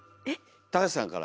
高橋さんから。